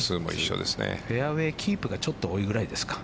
フェアウェーキープがちょっと多いくらいですか。